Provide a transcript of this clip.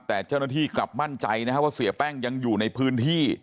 แต่เจ้าหน้าที่กลับมั่นใจนะครับว่าเสียแป้งยังอยู่ในพื้นที่